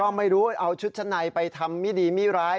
ก็ไม่รู้เอาชุดชั้นในไปทำไม่ดีไม่ร้าย